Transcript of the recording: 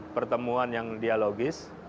pertemuan yang dialogis